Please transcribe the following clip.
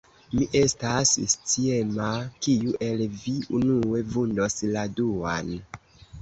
Mi estas sciema, kiu el vi unue vundos la duan!